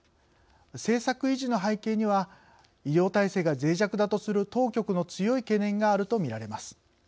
政策維持の背景には医療体制がぜい弱だとする当局の強い懸念があると見られます。